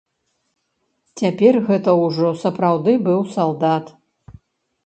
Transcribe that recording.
Цяпер гэта ўжо сапраўды быў салдат.